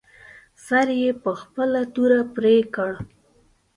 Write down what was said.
سر یې په خپله توره پرې کړ.